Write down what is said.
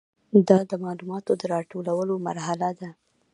دا د معلوماتو د راټولولو مرحله ده.